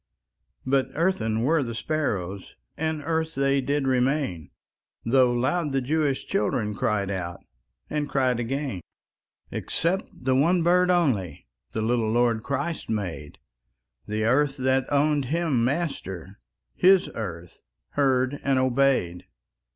But earthen were the sparrows, And earth they did remain, Though loud the Jewish children Cried out, and cried again. Except the one bird only The little Lord Christ made; The earth that owned Him Master, His earth heard and obeyed.